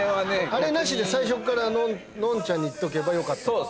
あれなしで最初からノンちゃんにいっとけばよかったってことですね。